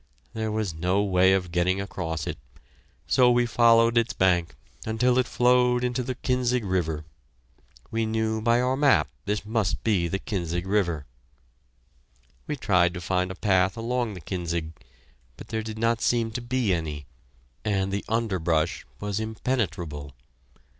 There was no way of getting across it, so we followed its bank until it flowed into the Kinzig River. We knew by our map this must be the Kinzig River. We tried to find a path along the Kinzig, but there did not seem to be any, and the underbrush was impenetrable.